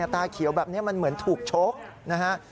ตาเขียวแบบนี้มันเหมือนถูกชกนะฮะ